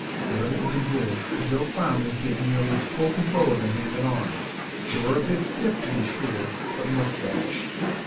The rubbing did good, and Joe found that he had nearly full control of the hand and arm. They were a bit stiff to be sure, but much better.